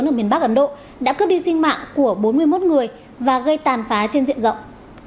các quốc gia láng giềng bắc ấn độ đã cướp đi sinh mạng của bốn mươi một người và gây tàn phá trên diện rộng